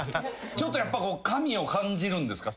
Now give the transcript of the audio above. ちょっとやっぱ神を感じるんですか？